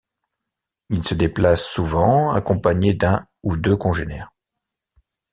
Il se déplace souvent accompagné d'un ou deux congénères.